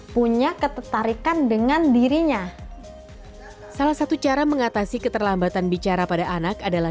punya ketertarikan dengan dirinya salah satu cara mengatasi keterlambatan bicara pada anak adalah